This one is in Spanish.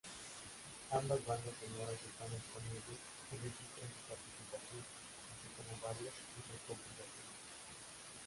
Ambas bandas sonoras están disponibles y registran su participación, así como varias recopilaciones.